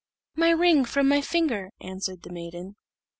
"My ring from my finger," answered the maiden.